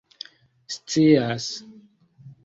scias